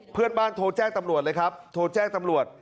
เพื่อนบ้านโทรแจ้งตำรวจเลยครับโทรแจ้งตำรวจ